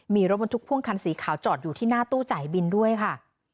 มีรถบรรทุกพ่วงคันสีขาวจอดอยู่ที่หน้าตู้จ่ายบินด้วยค่ะ